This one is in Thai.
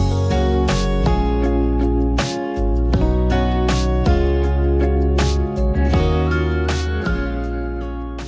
มันไม่มีอะไรบอกว่าอันไหนคือขั้นไหน